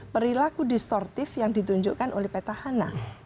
perilaku distortif yang ditunjukkan oleh petahana